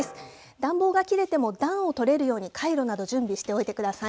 暖房が切れても暖をとれるようにかいろなど準備しておいてください。